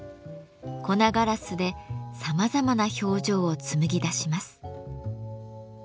粉ガラスでさまざまな表情を紡ぎ出します。